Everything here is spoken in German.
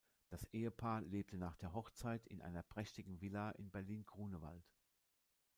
Das Ehepaar lebte nach der Hochzeit in einer prächtigen Villa in Berlin-Grunewald.